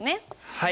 はい。